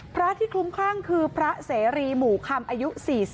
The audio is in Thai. พระที่คลุ้มคลั่งคือพระเสรีหมู่คำอายุ๔๐